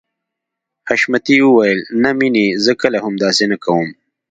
حشمتي وويل نه مينې زه کله هم داسې نه کوم.